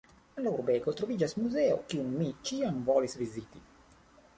En la urbego troviĝas muzeo, kiun mi ĉiam volis viziti.